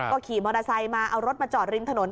ก็ขี่มอเตอร์ไซค์มาเอารถมาจอดริมถนน